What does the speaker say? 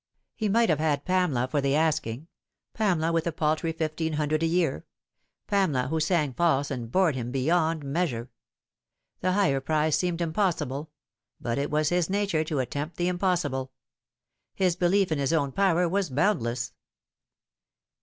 He might have had Pamela for the asking ; Pamela, with a paltry fifteen hundred a year ; Pamela, who sang false and bored him beyond measure. The higher prize seemed impossible ; but it was his nature to attempt the impossible. His belief in his own power was boundless.